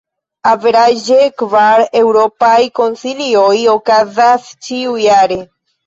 Averaĝe, kvar Eŭropaj Konsilioj okazas ĉiujare.